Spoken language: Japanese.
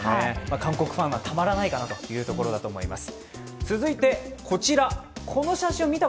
韓国ファンはたまらないかなというところだと思います。